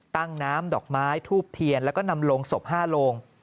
น้ำดอกไม้ทูบเทียนแล้วก็นำโลงศพ๕โลง